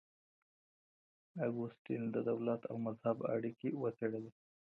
اګوستين د دولت او مذهب اړيکي وڅېړلې.